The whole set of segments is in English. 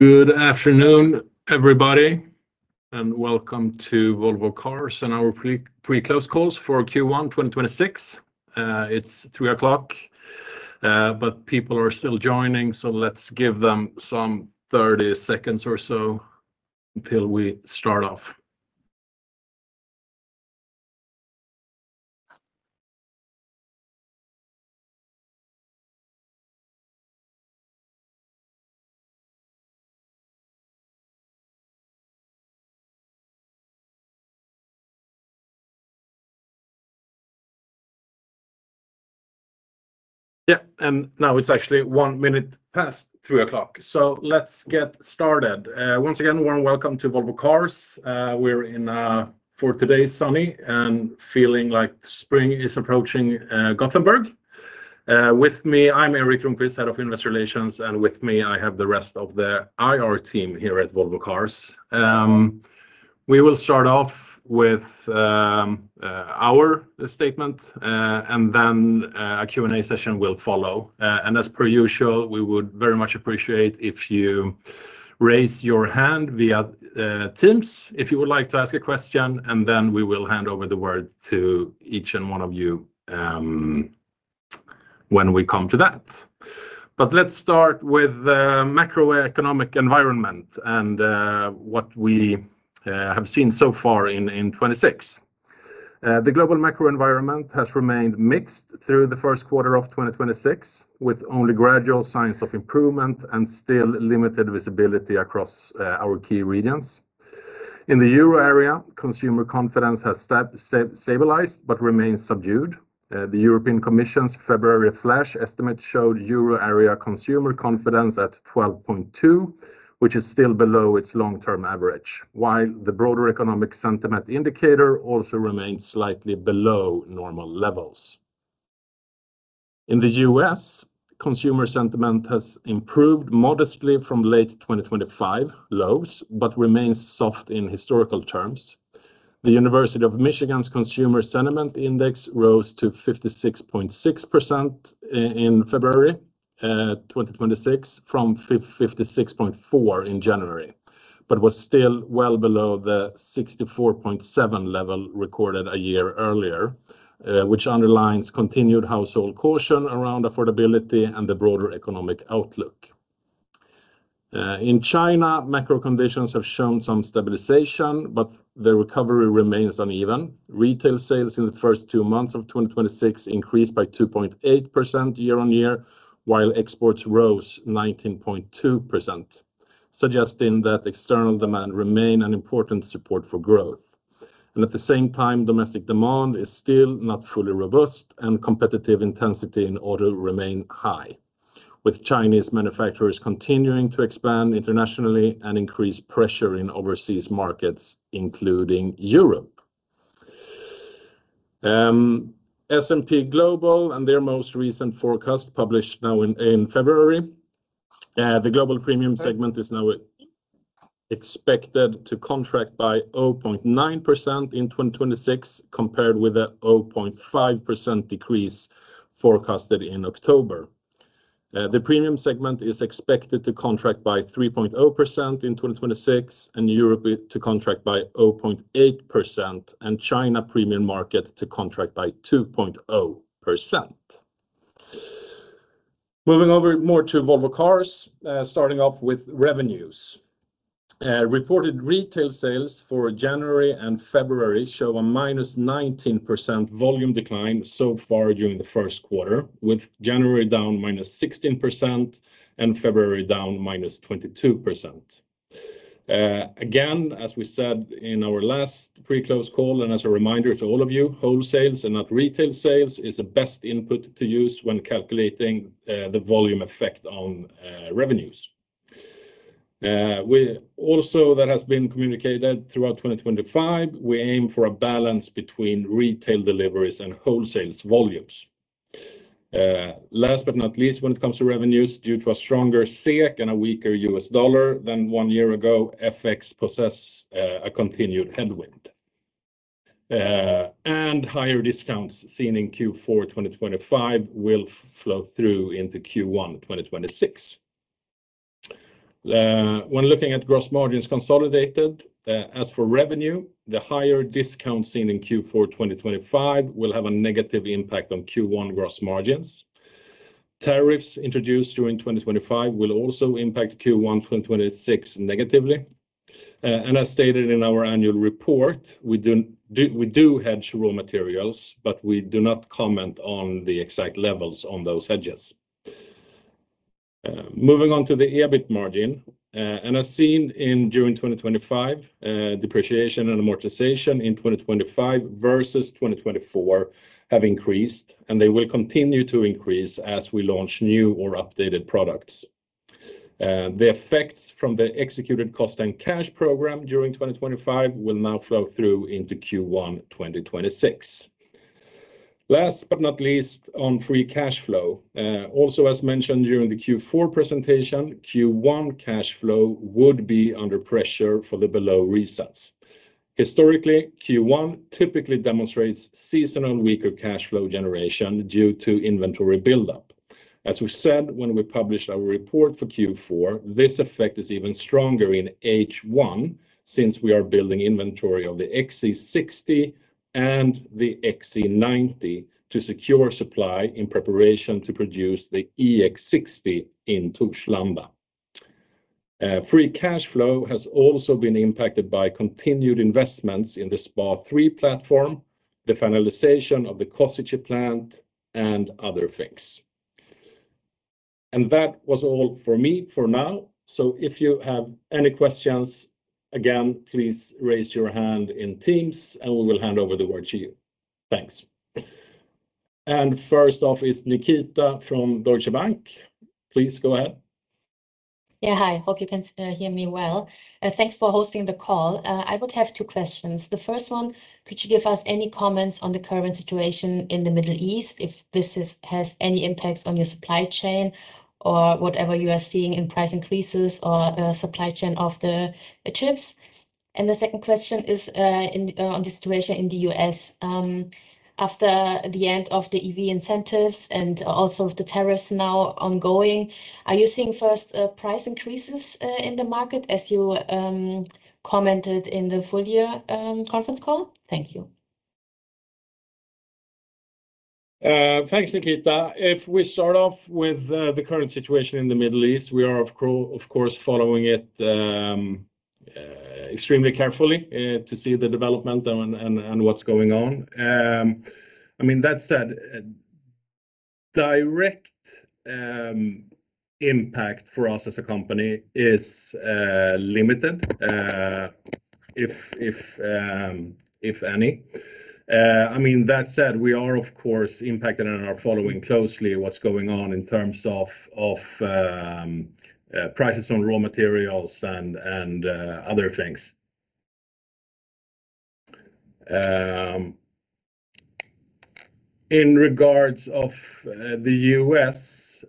Good afternoon, everybody, and welcome to Volvo Cars and our pre-close calls for Q1 2026. It's 3:00 P.M., but people are still joining, so let's give them some 30 seconds or so until we start off. Now it's actually 3:01 P.M., so let's get started. Once again, warm welcome to Volvo Cars. We're in Gothenburg, for today sunny and feeling like spring is approaching. With me, I'm Erik Lundkvist, Head of Investor Relations, and with me I have the rest of the IR team here at Volvo Cars. We will start off with our statement, and then a Q&A session will follow. As per usual, we would very much appreciate if you raise your hand via Teams if you would like to ask a question, and then we will hand over the word to each and one of you when we come to that. Let's start with the macroeconomic environment and what we have seen so far in 2026. The global macro environment has remained mixed through the first quarter of 2026, with only gradual signs of improvement and still limited visibility across our key regions. In the Euro area, consumer confidence has stabilized but remains subdued. The European Commission's February flash estimate showed Euro area consumer confidence at 12.2, which is still below its long-term average, while the broader economic sentiment indicator also remains slightly below normal levels. In the U.S., consumer sentiment has improved modestly from late 2025 lows but remains soft in historical terms. The University of Michigan's Consumer Sentiment Index rose to 56.6% in February 2026, from 56.4 in January, but was still well below the 64.7 level recorded a year earlier, which underlines continued household caution around affordability and the broader economic outlook. In China, macro conditions have shown some stabilization, but the recovery remains uneven. Retail sales in the first two months of 2026 increased by 2.8% year-on-year, while exports rose 19.2%, suggesting that external demand remain an important support for growth. At the same time, domestic demand is still not fully robust and competitive intensity in order to remain high, with Chinese manufacturers continuing to expand internationally and increase pressure in overseas markets, including Europe. S&P Global and their most recent forecast, published now in February, the global premium segment is now expected to contract by 0.9% in 2026, compared with a 0.5% decrease forecasted in October. The premium segment is expected to contract by 3.0% in 2026 and Europe to contract by 0.8% and China premium market to contract by 2.0%. Moving over to Volvo Cars, starting off with revenues. Reported retail sales for January and February show a -19% volume decline so far during the first quarter, with January down -16% and February down -22%. Again, as we said in our last pre-close call, and as a reminder to all of you, wholesales and not retail sales is the best input to use when calculating the volume effect on revenues. That has been communicated throughout 2025, we aim for a balance between retail deliveries and wholesales volumes. Last but not least, when it comes to revenues due to a stronger SEK and a weaker US dollar than one year ago, FX poses a continued headwind. Higher discounts seen in Q4 2025 will flow through into Q1 2026. When looking at Gross Margins consolidated, as for revenue, the higher discount seen in Q4 2025 will have a negative impact on Q1 Gross Margins. Tariffs introduced during 2025 will also impact Q1 2026 negatively. As stated in our annual report, we do hedge raw materials, but we do not comment on the exact levels on those hedges. Moving on to the EBIT margin, as seen during 2025, Depreciation and Amortization in 2025 versus 2024 have increased, and they will continue to increase as we launch new or updated products. The effects from the executed cost and cash program during 2025 will now flow through into Q1 2026. Last but not least, on Free Cash Flow, also as mentioned during the Q4 presentation, Q1 cash flow would be under pressure for the below reasons. Historically, Q1 typically demonstrates seasonal weaker cash flow generation due to inventory build-up. As we said when we published our report for Q4, this effect is even stronger in H1 since we are building inventory of the XC60 and the XC90 to secure supply in preparation to produce the EX60 in Torslanda. Free Cash Flow has also been impacted by continued investments in the SPA3 platform, the finalization of the Košice plant, and other things. That was all for me for now. If you have any questions, again, please raise your hand in Teams, and we will hand over the word to you. Thanks. First off is Nikita from Deutsche Bank. Please go ahead. Yeah, hi. Hope you can hear me well. Thanks for hosting the call. I would have two questions. The first one, could you give us any comments on the current situation in the Middle East, if this has any impacts on your supply chain or whatever you are seeing in price increases or the supply chain of the chips? The second question is, on the situation in the U.S., after the end of the EV incentives and also with the tariffs now ongoing, are you seeing first price increases in the market as you commented in the full-year conference call? Thank you. Thanks, Nikita. If we start off with the current situation in the Middle East, we are of course following it extremely carefully to see the development and what's going on. I mean, that said, direct impact for us as a company is limited, if any. I mean, that said, we are of course impacted and are following closely what's going on in terms of prices on raw materials and other things. In regards to the U.S.,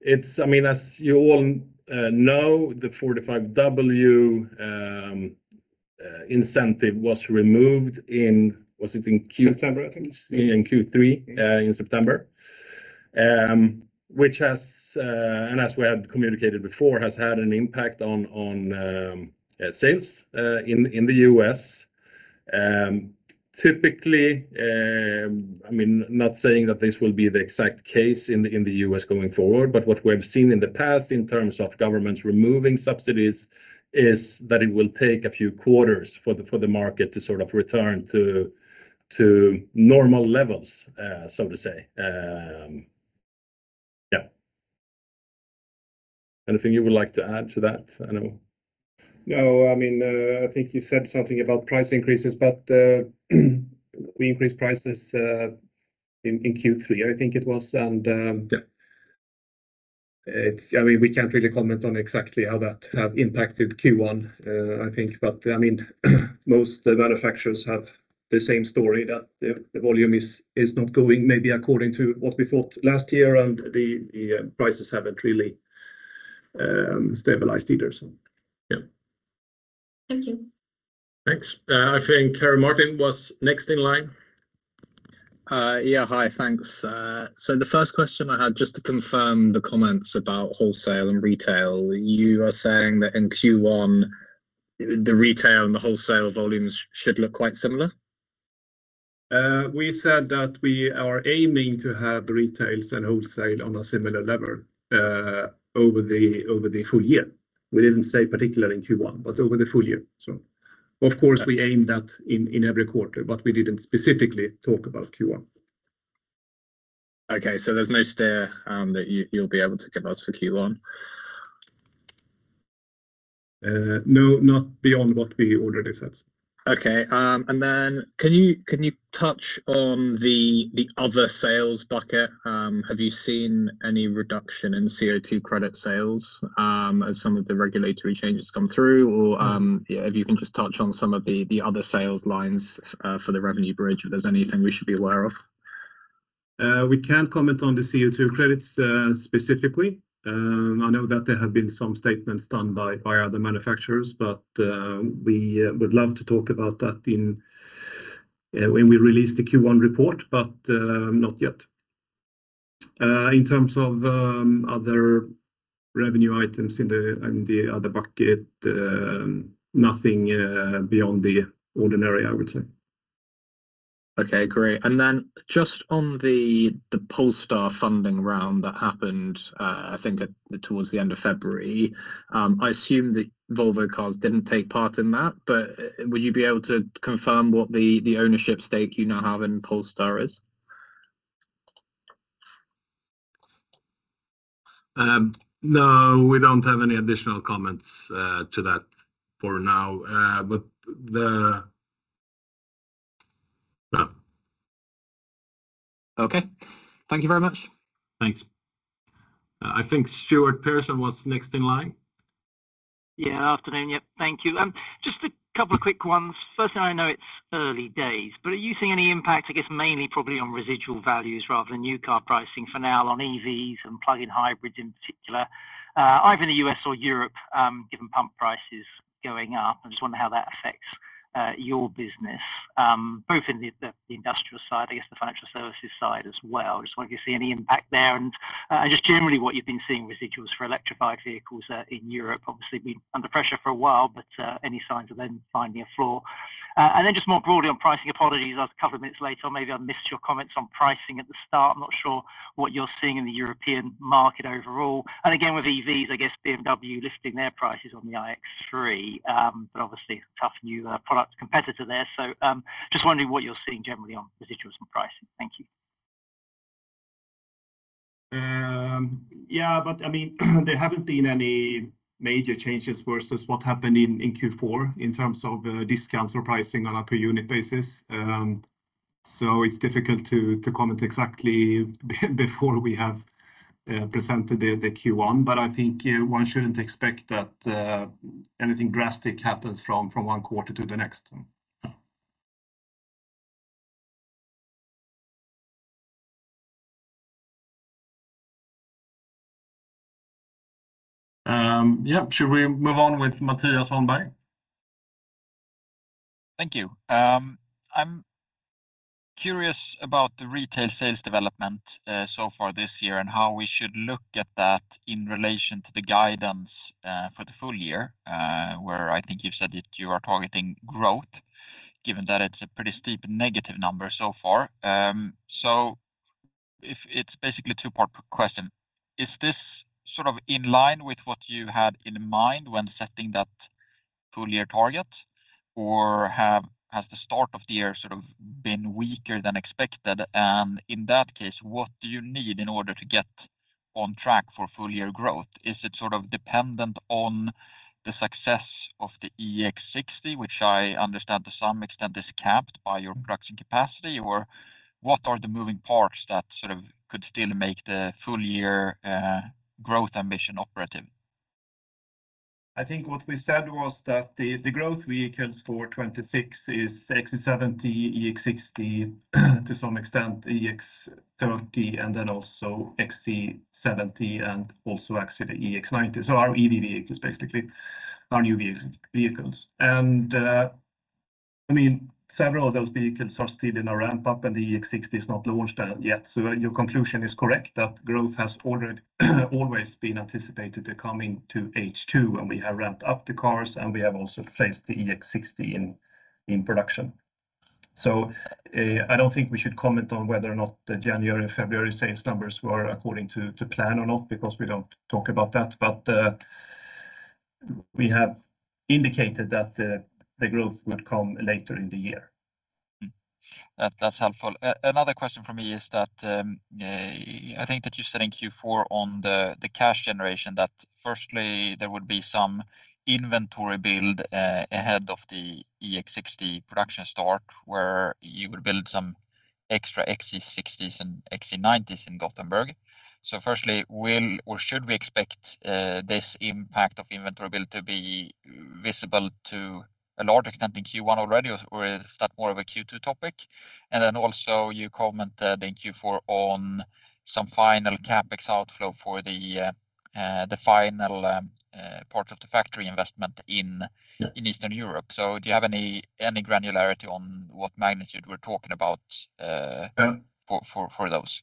it's I mean, as you all know, the $4,500 incentive was removed in, was it in September, I think. In Q3, in September. Which, as we had communicated before, has had an impact on sales in the U.S. Typically, I mean, not saying that this will be the exact case in the U.S. going forward, but what we have seen in the past in terms of governments removing subsidies is that it will take a few quarters for the market to sort of return to normal levels, so to say. Yeah. Anything you would like to add to that, Emil? No. I mean, I think you said something about price increases, but we increased prices in Q3, I think it was. I mean, we can't really comment on exactly how that have impacted Q1, I think. I mean, most manufacturers have the same story, that the volume is not going maybe according to what we thought last year, and the prices haven't really stabilized either, so. Yeah. Thank you. Thanks. I think Harry Martin was next in line. Yeah. Hi. Thanks. The first question I had, just to confirm the comments about wholesale and retail, you are saying that in Q1, the retail and the wholesale volumes should look quite similar? We said that we are aiming to have retails and wholesale on a similar level over the full year. We didn't say particularly in Q1, but over the full year. Of course, we aim that in every quarter, but we didn't specifically talk about Q1. Okay. There's no steer that you'll be able to give us for Q1? No, not beyond what we already said. Okay. Can you touch on the other sales bucket? Have you seen any reduction in CO2 credit sales, as some of the regulatory changes come through? Yeah, if you can just touch on some of the other sales lines for the revenue bridge, if there's anything we should be aware of. We can't comment on the CO2 credits specifically. I know that there have been some statements done by other manufacturers, but we would love to talk about that in when we release the Q1 report, but not yet. In terms of other revenue items in the other bucket, nothing beyond the ordinary, I would say. Okay, great. Then just on the Polestar funding round that happened, I think towards the end of February, I assume that Volvo Cars didn't take part in that, but would you be able to confirm what the ownership stake you now have in Polestar is? No, we don't have any additional comments to that for now. Okay. Thank you very much. Thanks. I think Stuart Pearson was next in line. Afternoon. Thank you. Just a couple quick ones. First, I know it's early days, but are you seeing any impact, I guess, mainly probably on residual values rather than new car pricing for now on EVs and plug-in hybrids in particular? Either in the U.S. or Europe, given pump prices going up, I just wonder how that affects your business, both in the industrial side, I guess, the financial services side as well. Just wonder if you see any impact there, and just generally what you've been seeing residuals for electrified vehicles in Europe, obviously been under pressure for a while, but any signs of them finding a floor. Then just more broadly on pricing, apologies as a couple of minutes late, so maybe I missed your comments on pricing at the start. I'm not sure what you're seeing in the European market overall, and again, with EVs, I guess BMW listing their prices on the iX3, but obviously a tough new product competitor there. Just wondering what you're seeing generally on residuals and pricing. Thank you. Yeah, I mean, there haven't been any major changes versus what happened in Q4 in terms of discounts or pricing on a per unit basis. It's difficult to comment exactly before we have presented the Q1. I think one shouldn't expect that anything drastic happens from one quarter to the next one. Yeah. Should we move on with Mattias? Thank you. I'm curious about the retail sales development so far this year and how we should look at that in relation to the guidance for the full year, where I think you've said that you are targeting growth, given that it's a pretty steep negative number so far. If it's basically a two-part question, is this sort of in line with what you had in mind when setting that full year target? Or has the start of the year sort of been weaker than expected? In that case, what do you need in order to get on track for full year growth? Is it sort of dependent on the success of the EX60, which I understand to some extent is capped by your production capacity? What are the moving parts that sort of could still make the full year growth ambition operative? I think what we said was that the growth vehicles for 2026 is EC40, EX60, to some extent EX30, and then also EC40 and also actually the EX90. Our EV vehicles, basically, our new vehicles. I mean, several of those vehicles are still in a ramp-up, and the EX60 is not launched yet. Your conclusion is correct that growth has already always been anticipated to coming to H2, and we have ramped up the cars, and we have also placed the EX60 in production. I don't think we should comment on whether or not the January and February sales numbers were according to plan or not because we don't talk about that. We have indicated that the growth would come later in the year. That's helpful. Another question from me is that I think that you said in Q4 on the cash generation that firstly, there would be some inventory build ahead of the EX60 production start, where you would build some extra XC60s and XC90s in Gothenburg. Firstly, will or should we expect this impact of inventory build to be visible to a large extent in Q1 already, or is that more of a Q2 topic? Then also you commented in Q4 on some final CapEx outflow for the final part of the factory investment in Eastern Europe. Do you have any granularity on what magnitude we're talking about? Yeah For those?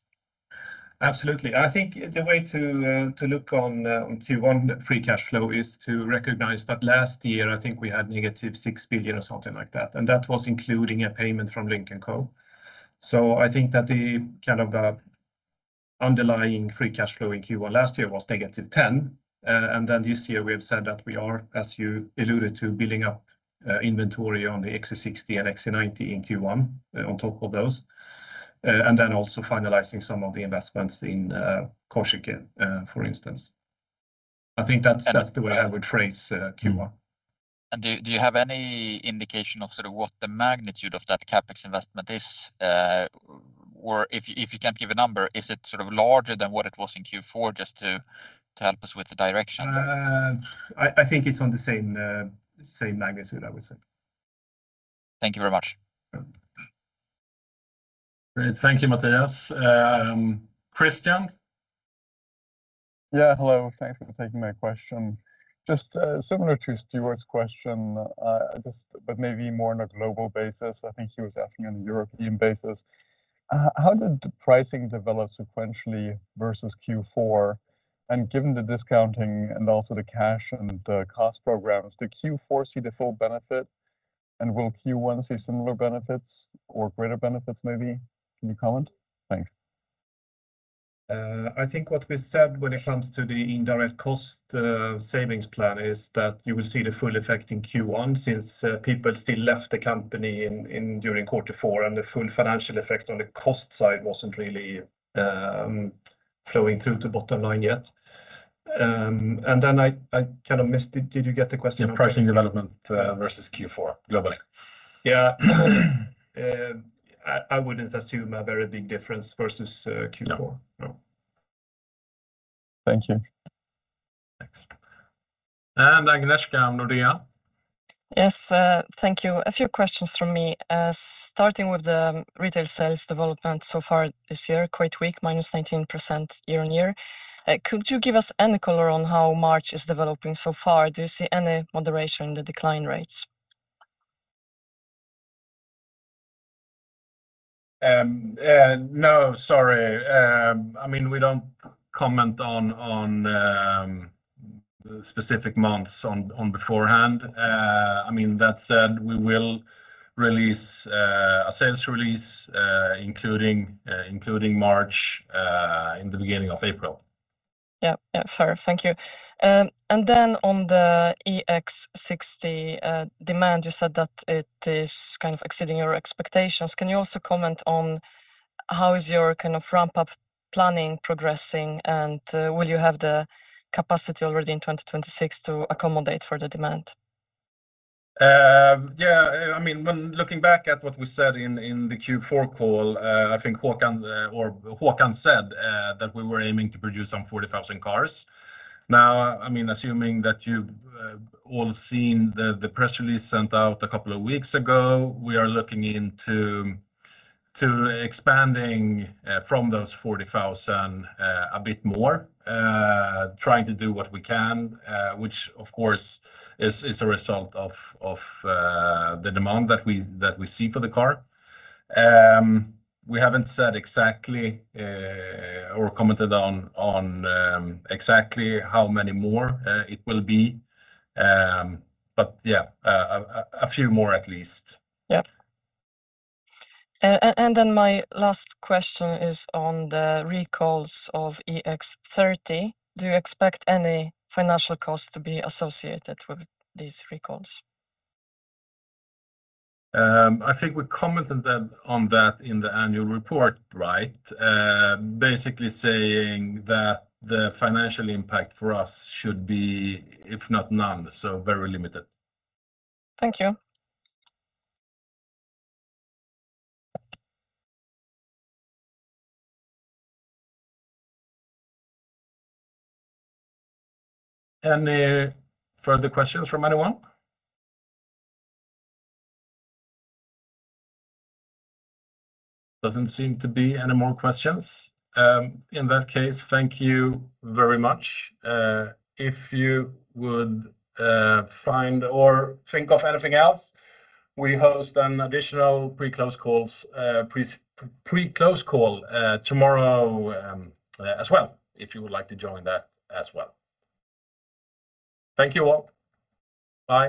Absolutely. I think the way to look on Q1 free cash flow is to recognize that last year, I think we had negative 6 billion or something like that, and that was including a payment from Lynk & Co. I think that the kind of underlying free cash flow in Q1 last year was negative 10 billion. Then this year, we have said that we are, as you alluded to, building up inventory on the XC60 and XC90 in Q1 on top of those, and then also finalizing some of the investments in Košice, for instance. I think that's the way I would phrase Q1. Do you have any indication of sort of what the magnitude of that CapEx investment is? Or if you can't give a number, is it sort of larger than what it was in Q4 just to help us with the direction? I think it's on the same magnitude, I would say. Thank you very much. Yeah. Great. Thank you, Mattias. Christian. Yeah, hello. Thanks for taking my question. Just similar to Stuart's question, but maybe more on a global basis. I think he was asking on a European basis. How did pricing develop sequentially versus Q4? Given the discounting and also the cash and the cost programs, did Q4 see the full benefit, and will Q1 see similar benefits or greater benefits, maybe? Can you comment? Thanks. I think what we said when it comes to the indirect cost savings plan is that you will see the full effect in Q1 since people still left the company during quarter four, and the full financial effect on the cost side wasn't really flowing through to bottom line yet. Then I kind of missed it. Did you get the question? Yeah, pricing development versus Q4 globally. Yeah. I wouldn't assume a very big difference versus Q4. No. No. Thank you. Agnieszka, Nordea Yes, thank you. A few questions from me. Starting with the retail sales development so far this year, quite weak, -19% year-over-year. Could you give us any color on how March is developing so far? Do you see any moderation in the decline rates? No, sorry. I mean, we don't comment on specific months beforehand. I mean, that said, we will release a sales release including March in the beginning of April. Yeah, yeah. Fair. Thank you. On the EX60 demand, you said that it is kind of exceeding your expectations. Can you also comment on how is your kind of ramp-up planning progressing, and will you have the capacity already in 2026 to accommodate for the demand? Yeah. I mean, when looking back at what we said in the Q4 call, I think Håkan said that we were aiming to produce some 40,000 cars. Now, I mean, assuming that you've all seen the press release sent out a couple of weeks ago, we are looking into expanding from those 40,000 a bit more, trying to do what we can, which of course is a result of the demand that we see for the car. We haven't said exactly or commented on exactly how many more it will be. Yeah, a few more at least. Yeah. My last question is on the recalls of EX30. Do you expect any financial costs to be associated with these recalls? I think we commented that, on that in the annual report, right? Basically saying that the financial impact for us should be, if not none, so very limited. Thank you. Any further questions from anyone? Doesn't seem to be any more questions. In that case, thank you very much. If you would find or think of anything else, we host an additional pre-close call tomorrow, as well, if you would like to join that as well. Thank you all. Bye.